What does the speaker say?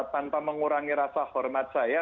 tanpa mengurangi rasa hormat saya